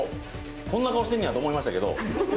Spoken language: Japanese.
こんな顔してんのやと思いましたけど。